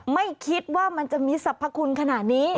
ไม่คิดว่ามันจะมีสรรพคุณขนาดนี้